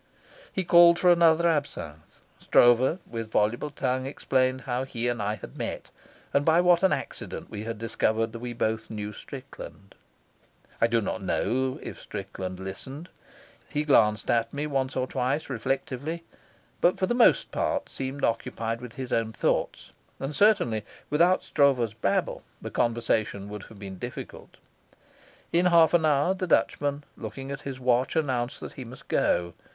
He called for another absinthe. Stroeve, with voluble tongue, explained how he and I had met, and by what an accident we discovered that we both knew Strickland. I do not know if Strickland listened. He glanced at me once or twice reflectively, but for the most part seemed occupied with his own thoughts; and certainly without Stroeve's babble the conversation would have been difficult. In half an hour the Dutchman, looking at his watch, announced that he must go.